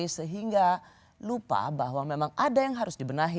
sehingga lupa bahwa memang ada yang harus dibenahi